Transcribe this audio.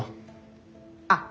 あっ。